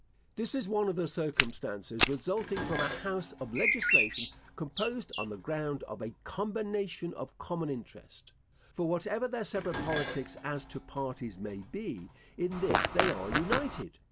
This is one of the circumstances resulting from a house of legislation, composed on the ground of a combination of common interest; for whatever their separate politics as to parties may be, in this they are united.